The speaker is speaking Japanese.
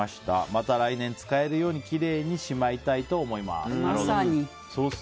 また来年使えるようにきれいにしまいたいと思います。